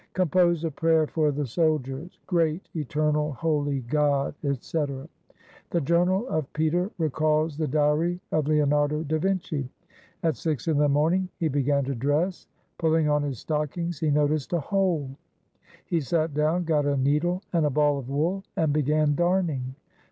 "Compose a prayer for the soldiers: Great, Eternal, Holy God, etc." The journal of Peter recalls the diary of Leonardo da Vinci. At six in the morning he began to dress. Pulling on his stockings he noticed a hole; he sat down, got a needle and a ball of wool, and began darning.